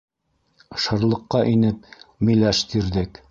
Шырлыҡҡа инеп, миләш тирҙек.